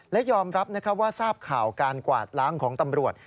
และยอมรับว่าทราบข่าวการกวาดล้างของตำรวจ